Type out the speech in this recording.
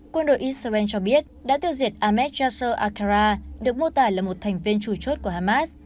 quân đội israel cho biết đã tiêu diệt ahmed yasser akhara được mô tả là một thành viên trù chốt của hamas